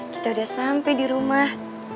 kita udah sampai di rumah